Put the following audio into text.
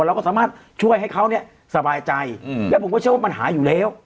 เราก็สามารถช่วยให้เขาเนี่ยสบายใจและผมก็เชื่อว่ามันหายอยู่แล้ว